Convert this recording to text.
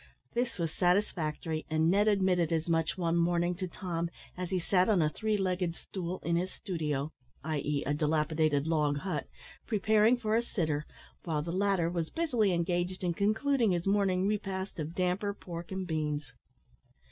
This was satisfactory, and Ned admitted as much one morning to Tom, as he sat on a three legged stool in his studio i.e. a dilapidated log hut preparing for a sitter, while the latter was busily engaged in concluding his morning repast of damper, pork, and beans.